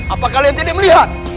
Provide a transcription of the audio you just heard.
apakah kalian tidak melihat